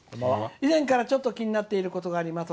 以前からちょっと気になっていることがあります。